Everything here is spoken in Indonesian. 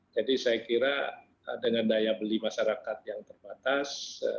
jadi saya kira dengan daya beli masyarakat yang terbatas